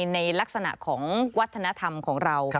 ในลักษณะของวัฒนธรรมของเรา